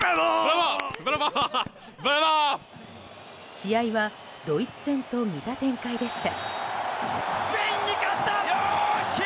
試合はドイツ戦と似た展開でした。